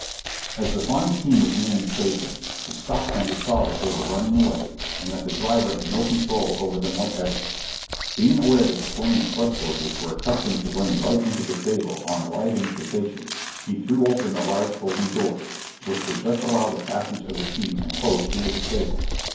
As the flying team was nearing the station, the stock tender saw that they were running away and that the driver had no control over them whatever. Being aware that the pony express horses were accustomed to running right into the stable on arriving at the station, he threw open the large folding doors, which would just allow the passage of the team and coach into the stable.